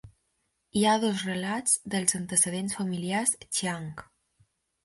Hi ha dos relats dels antecedents familiars Xiang.